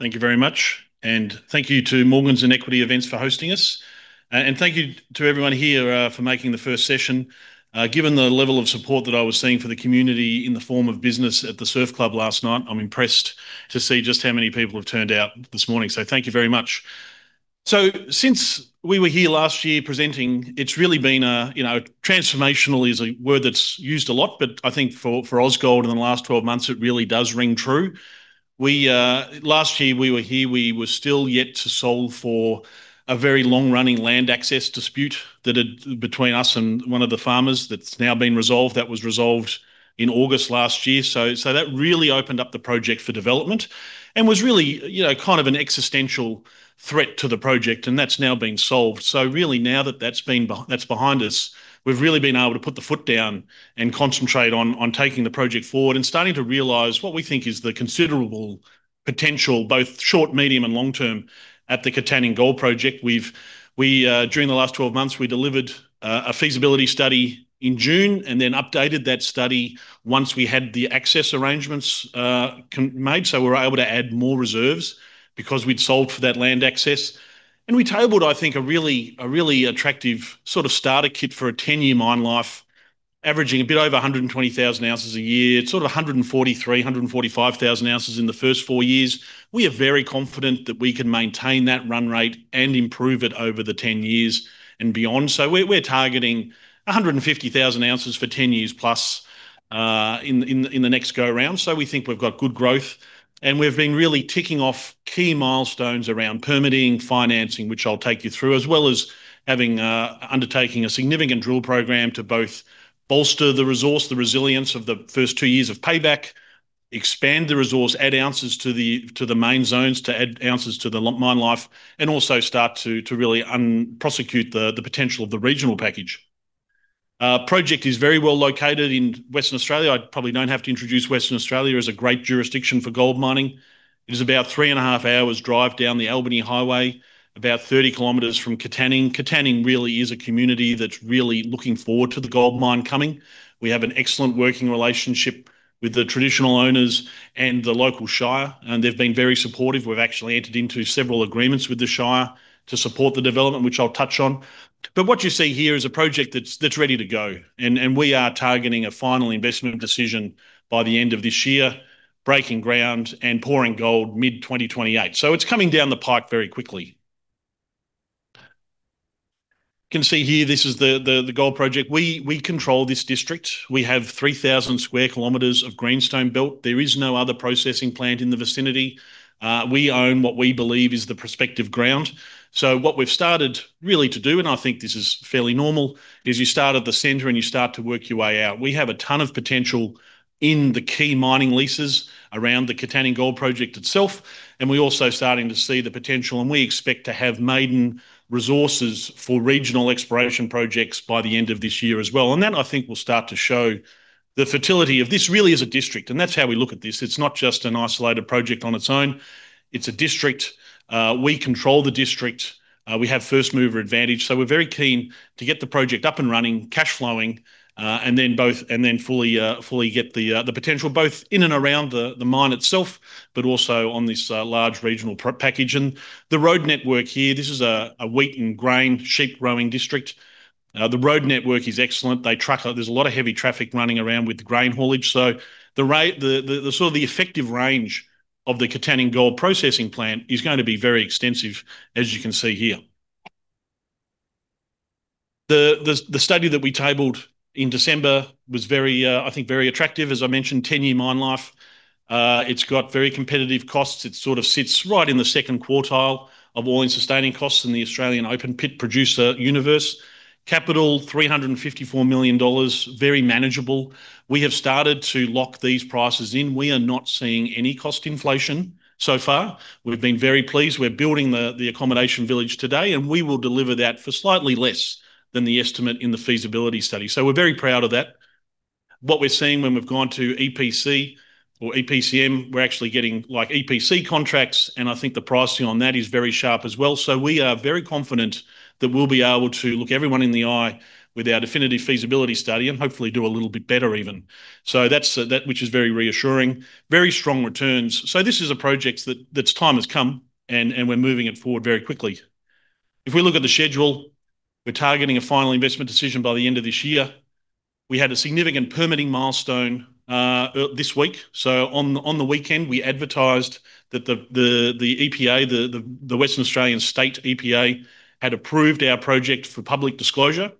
Thank you very much. Thank you to Morgans and Equity Events for hosting us. Thank you to everyone here for making the first session. Given the level of support that I was seeing for the community in the form of business at the surf club last night, I'm impressed to see just how many people have turned out this morning. Thank you very much. Since we were here last year presenting, it's really been, transformational is a word that's used a lot, but I think for Ausgold in the last 12 months, it really does ring true. Last year we were here, we were still yet to solve for a very long-running land access dispute between us and one of the farmers that's now been resolved. That was resolved in August last year. That really opened up the project for development and was really kind of an existential threat to the project, and that's now been solved. Really now that that's behind us, we've really been able to put the foot down and concentrate on taking the project forward and starting to realize what we think is the considerable potential, both short, medium, and long-term at the Katanning Gold Project. During the last 12 months, we delivered a feasibility study in June and then updated that study once we had the access arrangements made. We were able to add more reserves because we'd solved for that land access. We tabled, I think, a really attractive sort of starter kit for a 10-year mine life, averaging a bit over 120,000 oz a year. It's sort of 143,000 oz, 145,000 oz in the first four years. We are very confident that we can maintain that run rate and improve it over the 10 years and beyond. We're targeting 150,000 oz for 10 years plus in the next go around. We think we've got good growth. We've been really ticking off key milestones around permitting, financing, which I'll take you through, as well as undertaking a significant drill program to both bolster the resource, the resilience of the first two years of payback, expand the resource, add ounces to the main zones, to add ounces to the mine life, and also start to really prosecute the potential of the regional package. Project is very well located in Western Australia. I probably don't have to introduce Western Australia as a great jurisdiction for gold mining. It is about three and a half hours' drive down the Albany Highway, about 30 km from Katanning. Katanning really is a community that's really looking forward to the goldmine coming. We have an excellent working relationship with the traditional owners and the local shire, and they've been very supportive. We've actually entered into several agreements with the shire to support the development, which I'll touch on. What you see here is a project that's ready to go. We are targeting a final investment decision by the end of this year, breaking ground and pouring gold mid-2028. It's coming down the pipe very quickly. You can see here this is the Gold Project. We control this district. We have 3,000 sq km of greenstone belt. There is no other processing plant in the vicinity. We own what we believe is the prospective ground. What we've started really to do, I think this is fairly normal, is you start at the center, you start to work your way out. We have a ton of potential in the key mining leases around the Katanning Gold Project itself, we're also starting to see the potential, we expect to have maiden resources for regional exploration projects by the end of this year as well. That I think will start to show the fertility of this really as a district, that's how we look at this. It's not just an isolated project on its own. It's a district. We control the district. We have first-mover advantage. We're very keen to get the project up and running, cash flowing, then fully get the potential both in and around the mine itself, also on this large regional package. The road network here, this is a wheat and grain, sheep growing district. The road network is excellent. There's a lot of heavy traffic running around with grain haulage. The effective range of the Katanning Gold processing plant is going to be very extensive, as you can see here. The study that we tabled in December was, I think, very attractive. As I mentioned, 10-year mine life. It's got very competitive costs. It sort of sits right in the second quartile of all-in sustaining costs in the Australian open-pit producer universe. Capital, 354 million dollars, very manageable. We have started to lock these prices in. We are not seeing any cost inflation so far. We've been very pleased. We're building the accommodation village today, we will deliver that for slightly less than the estimate in the feasibility study. We're very proud of that. What we're seeing when we've gone to EPC or EPCM, we're actually getting EPC contracts, I think the pricing on that is very sharp as well. We are very confident that we'll be able to look everyone in the eye with our definitive feasibility study hopefully do a little bit better even. That which is very reassuring. Very strong returns. This is a project that its time has come, we're moving it forward very quickly. If we look at the schedule, we're targeting a final investment decision by the end of this year. We had a significant permitting milestone this week. On the weekend, we advertised that the EPA, the Western Australian State EPA, had approved our project for public disclosure.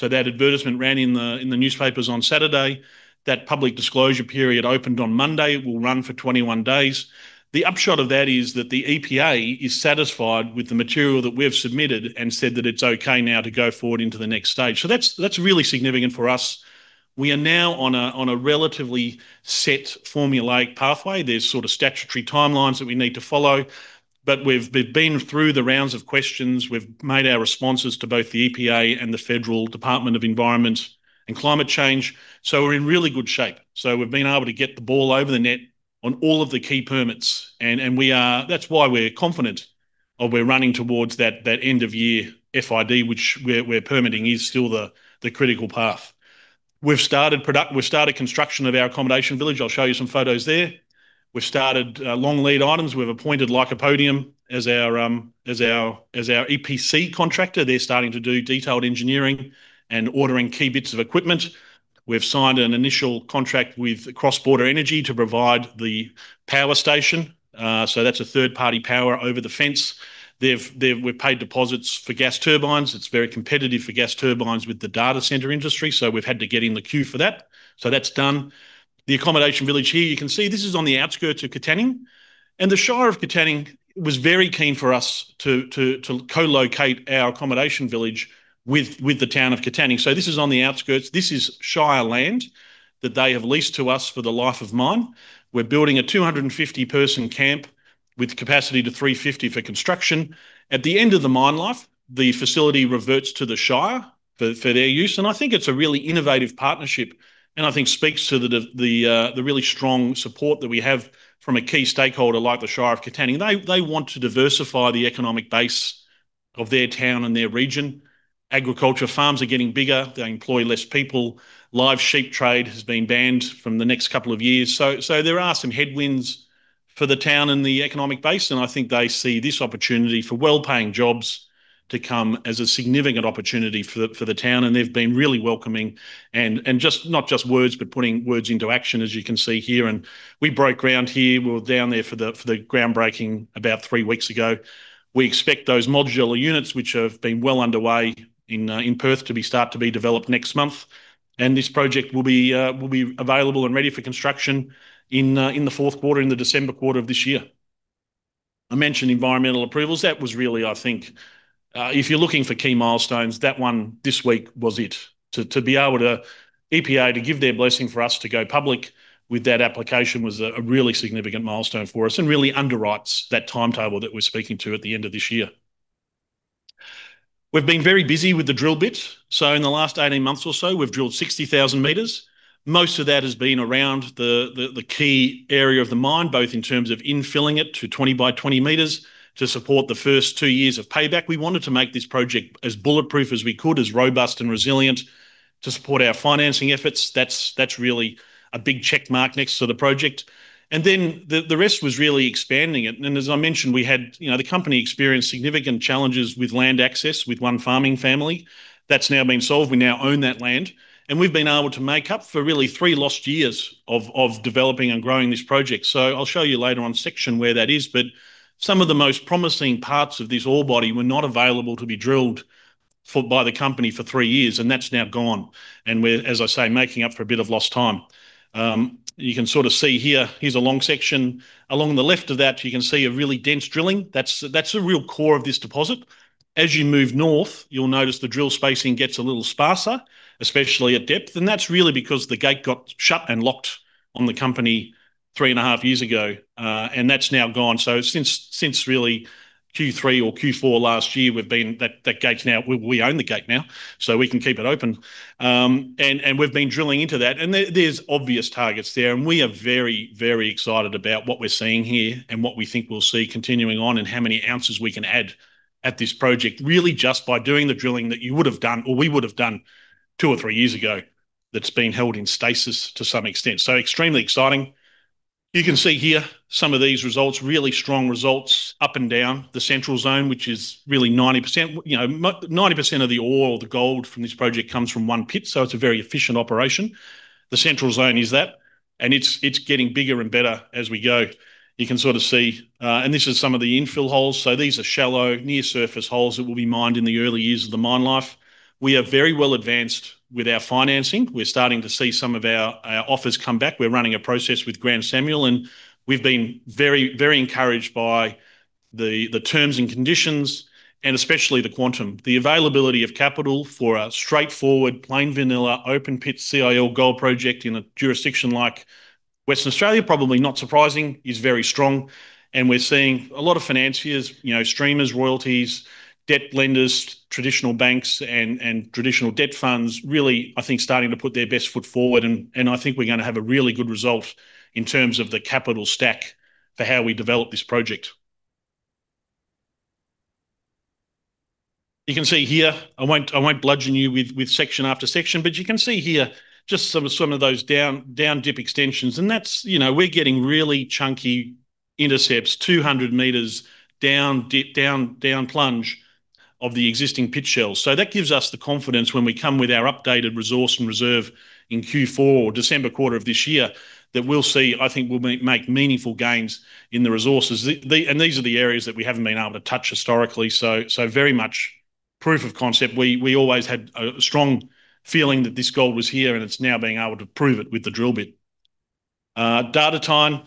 That advertisement ran in the newspapers on Saturday. That public disclosure period opened on Monday. It will run for 21 days. The upshot of that is that the EPA is satisfied with the material that we've submitted said that it's okay now to go forward into the next stage. That's really significant for us. We are now on a relatively set formulaic pathway. There's sort of statutory timelines that we need to follow. We've been through the rounds of questions. We've made our responses to both the EPA and the Federal Department of Environment and Climate Change. We're in really good shape. We've been able to get the ball over the net on all of the key permits. That's why we're confident we're running towards that end of year FID, which we're permitting is still the critical path. We've started construction of our accommodation village. I'll show you some photos there. We've started long lead items. We've appointed Lycopodium as our EPC contractor. They're starting to do detailed engineering and ordering key bits of equipment. We've signed an initial contract with CrossBoundary Energy to provide the power station. That's a third-party power over the fence. We've paid deposits for gas turbines. It's very competitive for gas turbines with the data center industry, we've had to get in the queue for that. That's done. The accommodation village here, you can see this is on the outskirts of Katanning. The Shire of Katanning was very keen for us to co-locate our accommodation village with the town of Katanning. This is on the outskirts. This is shire land that they have leased to us for the life of mine. We're building a 250-person camp with capacity to 350 for construction. At the end of the mine life, the facility reverts to the shire for their use, and I think it's a really innovative partnership and I think speaks to the really strong support that we have from a key stakeholder like the Shire of Katanning. They want to diversify the economic base of their town and their region. Agriculture farms are getting bigger. They employ less people. Live sheep trade has been banned from the next couple of years. There are some headwinds for the town and the economic base, and I think they see this opportunity for well-paying jobs to come as a significant opportunity for the town. They've been really welcoming and not just words, but putting words into action, as you can see here. We broke ground here. We were down there for the groundbreaking about three weeks ago. We expect those modular units, which have been well underway in Perth, to be developed next month. This project will be available and ready for construction in the fourth quarter, in the December quarter of this year. I mentioned environmental approvals. That was really, I think, if you're looking for key milestones, that one this week was it. EPA to give their blessing for us to go public with that application was a really significant milestone for us and really underwrites that timetable that we're speaking to at the end of this year. We've been very busy with the drill bit. In the last 18 months or so, we've drilled 60,000 m. Most of that has been around the key area of the mine, both in terms of infilling it to 20 m by 20 m to support the first two years of payback. We wanted to make this project as bulletproof as we could, as robust and resilient to support our financing efforts. That's really a big check mark next to the project. Then the rest was really expanding it. As I mentioned, the company experienced significant challenges with land access with one farming family. That's now been solved. We now own that land, and we've been able to make up for really three lost years of developing and growing this project. I'll show you later on section where that is. Some of the most promising parts of this ore body were not available to be drilled by the company for three years, and that's now gone. We're, as I say, making up for a bit of lost time. You can sort of see here's a long section. Along the left of that, you can see a really dense drilling. That's the real core of this deposit. As you move north, you'll notice the drill spacing gets a little sparser, especially at depth. That's really because the gate got shut and locked on the company three and a half years ago. That's now gone. Since really Q3 or Q4 last year, we own the gate now, so we can keep it open. We've been drilling into that, and there's obvious targets there. We are very excited about what we're seeing here and what we think we'll see continuing on and how many ounces we can add at this project, really just by doing the drilling that you would've done or we would've done two or three years ago, that's been held in stasis to some extent. Extremely exciting. You can see here some of these results, really strong results up and down the central zone, which is really 90%. 90% of the ore or the gold from this project comes from one pit. It's a very efficient operation. The central zone is that, and it's getting bigger and better as we go. This is some of the infill holes. These are shallow near surface holes that will be mined in the early years of the mine life. We are very well advanced with our financing. We're starting to see some of our offers come back. We're running a process with Grant Samuel, and we've been very encouraged by the terms and conditions and especially the quantum. The availability of capital for a straightforward, plain vanilla, open pit CIL gold project in a jurisdiction like Western Australia, probably not surprising, is very strong. We're seeing a lot of financiers, streamers, royalties, debt lenders, traditional banks, and traditional debt funds really, I think, starting to put their best foot forward. I think we're going to have a really good result in terms of the capital stack for how we develop this project. You can see here, I won't bludgeon you with section after section, you can see here just some of those down dip extensions. We're getting really chunky intercepts, 200 m down plunge of the existing pit shell. That gives us the confidence when we come with our updated resource and reserve in Q4 or December quarter of this year, that we'll see, I think we'll make meaningful gains in the resources. These are the areas that we haven't been able to touch historically. Very much proof of concept. We always had a strong feeling that this gold was here, and it's now being able to prove it with the drill bit. Datatine,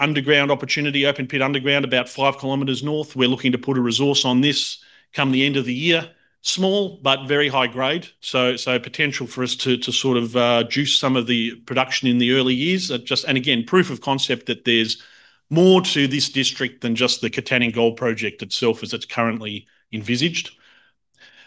underground opportunity, open pit underground, about 5 km North. We're looking to put a resource on this come the end of the year. Small, but very high grade. Potential for us to sort of juice some of the production in the early years. Again, proof of concept that there's more to this district than just the Katanning Gold Project itself as it's currently envisaged.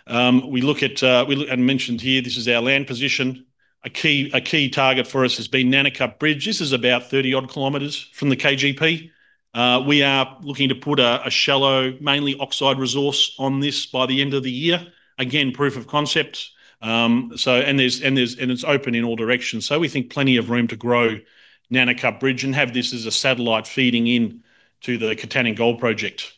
Mentioned here, this is our land position. A key target for us has been Nanicup Bridge. This is about 30-odd kilometers from the KGP. We are looking to put a shallow, mainly oxide resource on this by the end of the year. Again, proof of concept. It's open in all directions. We think plenty of room to grow Nanicup Bridge and have this as a satellite feeding in to the Katanning Gold Project.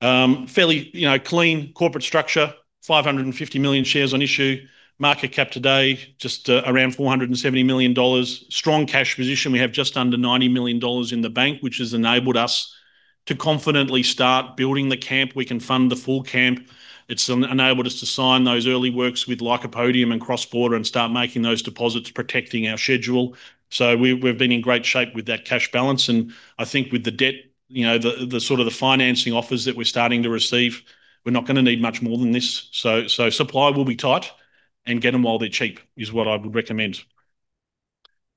Fairly clean corporate structure, 550 million shares on issue. Market cap today, just around 470 million dollars. Strong cash position. We have just under 90 million dollars in the bank, which has enabled us to confidently start building the camp. We can fund the full camp. It's enabled us to sign those early works with Lycopodium and CrossBoundary and start making those deposits, protecting our schedule. We've been in great shape with that cash balance, and I think with the debt, the financing offers that we're starting to receive, we're not going to need much more than this. Supply will be tight, and get them while they're cheap is what I would recommend.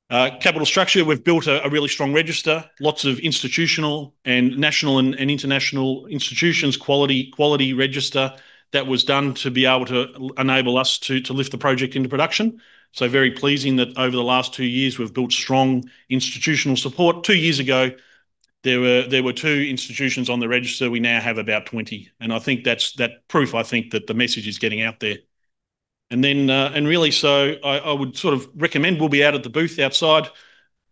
Capital structure, we've built a really strong register, lots of institutional and national and international institutions, quality register that was done to be able to enable us to lift the project into production. Very pleasing that over the last two years, we've built strong institutional support. Two years ago, there were two institutions on the register. We now have about 20, and I think that's proof that the message is getting out there. Really, I would recommend, we'll be out at the booth outside.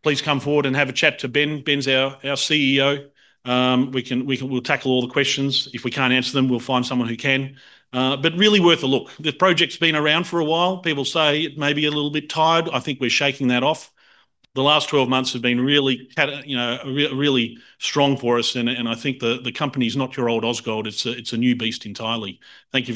Please come forward and have a chat to Ben. Ben's our CEO. We'll tackle all the questions. If we can't answer them, we'll find someone who can. Really worth a look. The project's been around for a while. People say it may be a little bit tired. I think we're shaking that off. The last 12 months have been really strong for us, and I think the company's not your old Ausgold. It's a new beast entirely. Thank you very much.